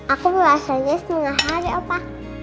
aku puasanya setengah hari opa